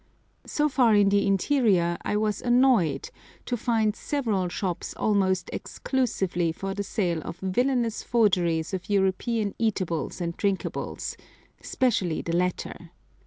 So far in the interior I was annoyed to find several shops almost exclusively for the sale of villainous forgeries of European eatables and drinkables, specially the latter.